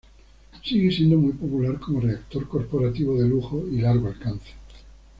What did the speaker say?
Sigue siendo muy popular como reactor corporativo de lujo y largo alcance.